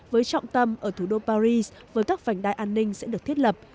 với trọng tâm ở thủ đô paris với các vành đai an ninh sẽ được thiết lập